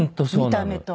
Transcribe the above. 見た目と。